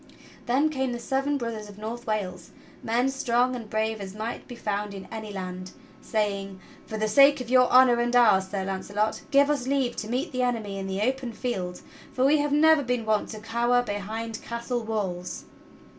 Then came the seven brothers of North Wales — men strong and brave as might be found in any land, saying: "For the sake of your honor and ours. Sir Launcelot, give us leave to meet the enemy in the open field; for we have never been wont to cower behind castle walls!"